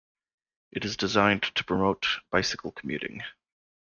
It is designed to promote bicycle commuting.